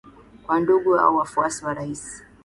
kwa ndugu au wafuasi wa rais